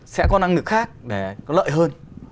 sẽ có năng lực khác để có lợi hơn